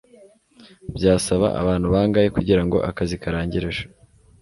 byasaba abantu bangahe kugirango akazi karangire ejo